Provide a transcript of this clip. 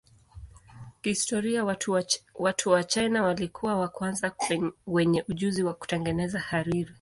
Kihistoria watu wa China walikuwa wa kwanza wenye ujuzi wa kutengeneza hariri.